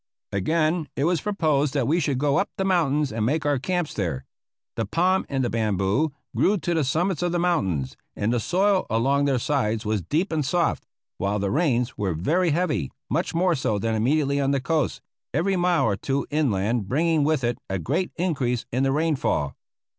Again, it was proposed that we should go up the mountains and make our camps there. The palm and the bamboo grew to the summits of the mountains, and the soil along their sides was deep and soft, while the rains were very heavy, much more so than immediately on the coast every mile or two inland bringing with it a great increase in the rainfall.